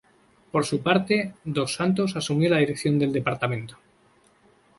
Por su parte, dos Santos asumió la dirección del Departamento.